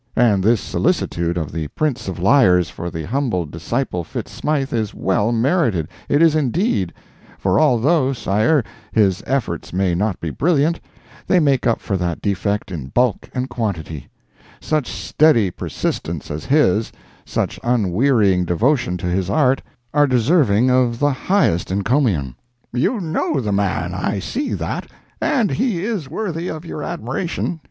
And this solicitude of the Prince of Liars for the humble disciple Fitz Smythe is well merited, it is indeed—for although, Sire, his efforts may not be brilliant, they make up for that defect in bulk and quantity; such steady persistence as his, such unwearying devotion to his art, are deserving of the highest encomium." "You know the man—I see that—and he is worthy of your admiration.